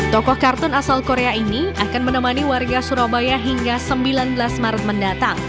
tokoh kartun asal korea ini akan menemani warga surabaya hingga sembilan belas maret mendatang